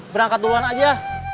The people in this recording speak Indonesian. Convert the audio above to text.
berangkat duluan aja